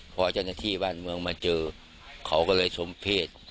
พอเจ้าหน้าที่บ้านเมืองมาเจอเขาก็เลยสมเพศ